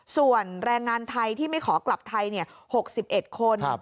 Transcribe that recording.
ส่วนแรงงานไทยที่ไม่ขอกลับไทยเนี่ยหกสิบเอ็ดคน